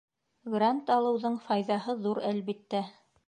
Грант алыуҙың файҙаһы ҙур, әлбиттә.